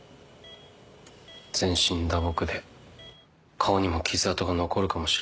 全身打撲で顔にも傷痕が残るかもしれないってよ。